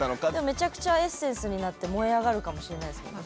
めちゃくちゃエッセンスになって燃え上がるかもしれないですもんね。